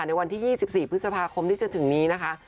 ในวันที่๒๔พฤษภาคมที่จะถึงนี้นะคะ